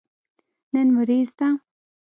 نن وريځ ده